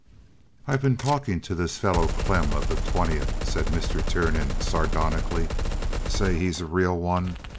"I've been talking to this fellow Klemm of the twentieth," said Mr. Tiernan, sardonically. "Say, he's a real one!